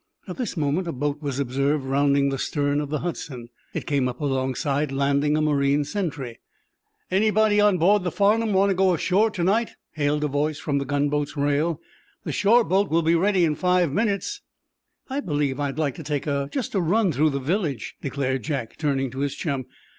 At this moment a boat was observed rounding the stern of the "Hudson." It came up alongside, landing a marine sentry. "Anybody on the 'Farnum' want to go ashore to night?" hailed a voice from the gunboat's rail. "The shore boat will be ready in five minutes." "I believe I would like to take just a run through the village," declared Jack, turning to his chum.